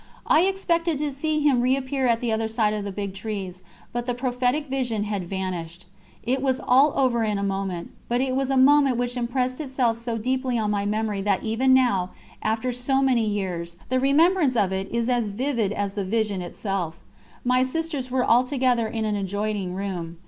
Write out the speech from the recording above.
I expected to see him reappear at the other side of the big trees, but the prophetic vision had vanished. It was all over in a moment, but it was a moment which impressed itself so deeply on my memory that even now, after so many years, the remembrance of it is as vivid as the vision itself. My sisters were all together in an adjoining room.